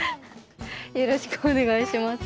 よろしくお願いします。